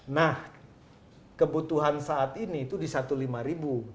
nah kebutuhan saat ini itu di satu lima ribu